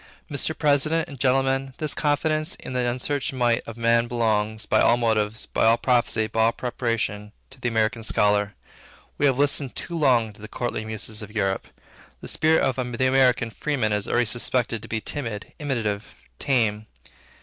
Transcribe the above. Mr. President and Gentlemen, this confidence in the unsearched might of man belongs, by all motives, by all prophecy, by all preparation, to the American Scholar. We have listened too long to the courtly muses of Europe. The spirit of the American freeman is already suspected to be timid, imitative, tame.